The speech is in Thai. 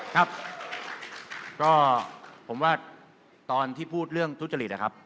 ครับก็ผมว่าตอนที่พูดเรื่องทุจริตนะครับ